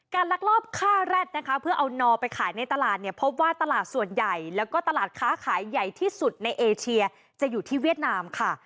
ลักลอบฆ่าแร็ดนะคะเพื่อเอานอไปขายในตลาดเนี่ยพบว่าตลาดส่วนใหญ่แล้วก็ตลาดค้าขายใหญ่ที่สุดในเอเชียจะอยู่ที่เวียดนามค่ะ